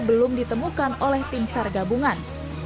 belum ditemukan oleh tim sar gabungan